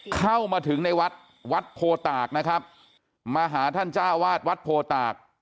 เข้ามาถึงในวัดวัดโพตากนะครับมาหาท่านจ้าวาดวัดโพตาก